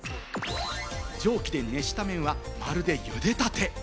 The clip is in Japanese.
蒸気で熱した麺は、まるで茹でたて。